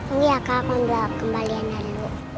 ini ya kak aku ambil kembaliannya dulu